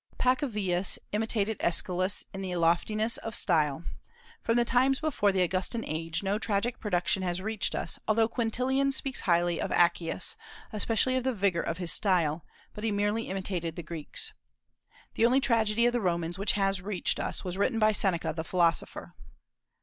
Pacuvius imitated Aeschylus in the loftiness of his style. From the times before the Augustan age no tragic production has reached us, although Quintilian speaks highly of Accius, especially of the vigor of his style; but he merely imitated the Greeks. The only tragedy of the Romans which has reached us was written by Seneca the philosopher.